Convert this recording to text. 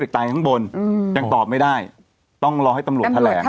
เด็กตายข้างบนมยังตอบไม่ได้ต้องรอให้ต้ำร๑๙๓๘